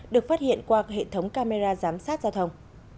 được phát hiện qua hệ thống camera giám sát giao thông